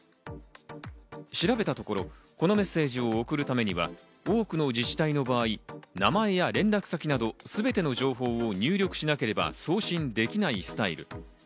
調べたところ、このメッセージを送るためには多くの自治体の場合、名前や連絡先などすべての情報を入力しなければ送信できないスタイル。